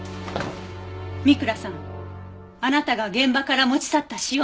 三倉さんあなたが現場から持ち去った塩の容器